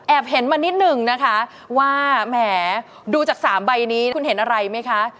เห็นมานิดนึงนะคะว่าแหมดูจาก๓ใบนี้คุณเห็นอะไรไหมคะ